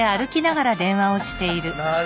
なる！